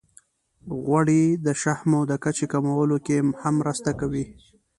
غوړې د شحمو د کچې کمولو کې هم مرسته کوي.